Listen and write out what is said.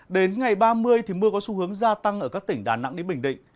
đến ngày ba mươi thì mưa có xu hướng gia tăng ở các tỉnh đà nẵng đến bình định